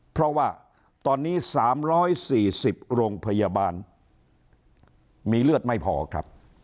เพราะว่าตอนนี้๓๔๐โรงพยาบาลมีเลือดไม่พอครับ